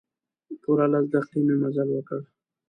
پوره لس دقیقې مې مزل وکړ.